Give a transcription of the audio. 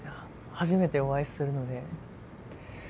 初めてお会いするので。